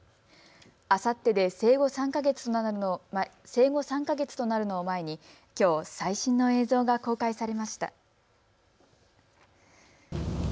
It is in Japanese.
あさってで生後３か月となるのを前にきょう最新の映像が公開されました。